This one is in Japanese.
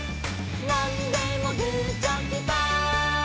「なんでもグーチョキパー」